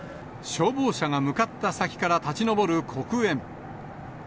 消防車が向かった先から立ち上る黒煙。